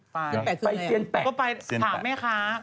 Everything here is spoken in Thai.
ไปเซียนแปะก็ไปถามแม่ค้า